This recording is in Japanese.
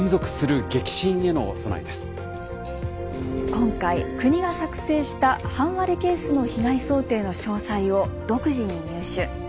今回国が作成した半割れケースの被害想定の詳細を独自に入手。